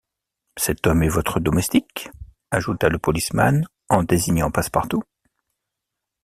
Cet homme est votre domestique? ajouta le policeman en désignant Passepartout.